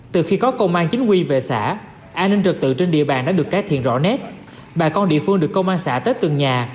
từ khi có công an chính quy về xã an ninh trực tự trên địa bàn đã được cải thiện rõ nét bà con địa phương được công an xã tới từng nhà